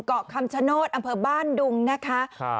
เกาะคำชโนธอำเภอบ้านดุงนะคะ